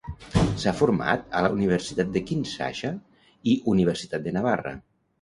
S'ha format a la Universitat de Kinshasa i Universitat de Navarra.